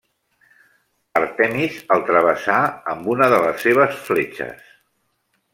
Àrtemis el travessà amb una de les seves fletxes.